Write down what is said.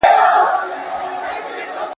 له ښکاري مي وېره نسته زه له دامه ګیله من یم !.